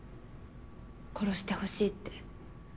殺してほしいって。